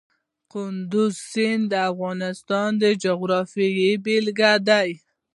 کندز سیند د افغانستان د جغرافیې بېلګه ده.